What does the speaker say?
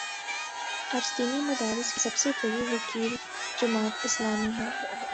آج دینی مدارس کی سب سے بڑی وکیل جماعت اسلامی ہے۔